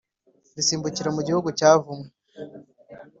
risimbukira mu gihugu cyavumwe,